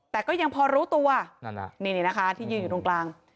แต่ก็ยังพอรู้ตัวนั่นน่ะนี่นะคะที่ยืนอยู่ตรงกลาง